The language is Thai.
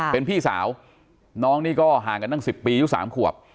เป็นพี่สาวน้องนี่ก็ห่างกันตั้ง๑๐ปียุค๓ขวบ